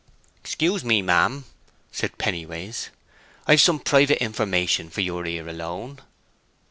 "Excuse me, ma'am," said Pennyways; "I've some private information for your ear alone."